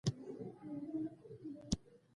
د هغو کسانو لپاره افغانیت د اروپا لپاره پټنځای دی.